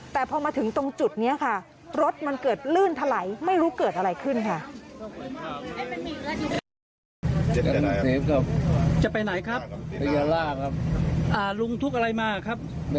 แต่พอมาถึงตรงจุดนี้ค่ะรถมันเกิดลื่นถลายไม่รู้เกิดอะไรขึ้นค่ะ